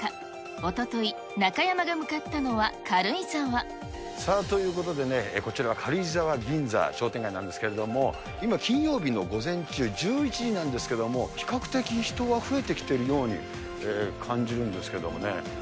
おととい、中山が向かったのは軽ということでね、こちらは軽井沢銀座商店街なんですけども、今、金曜日の午前中１１時なんですけれども、比較的人は増えてきているように感じるんですけれどもね。